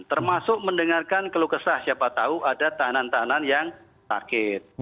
termasuk mendengarkan keluh kesah siapa tahu ada tahanan tahanan yang sakit